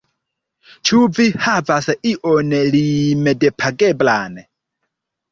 Ĉu vi havas ion limdepageblan?